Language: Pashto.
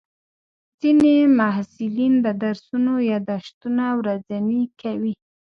ځینې محصلین د درسونو یادښتونه ورځني کوي.